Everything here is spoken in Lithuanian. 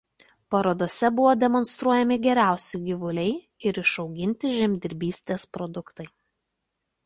Parodose buvo demonstruojami geriausi gyvuliai ir išauginti žemdirbystės produktai.